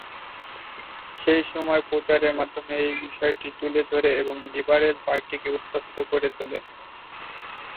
সেই সময় প্রচার মাধ্যম এই বিষয়টি তুলে ধরে এবং লিবারেল পার্টিকে উত্তপ্ত করে তোলে।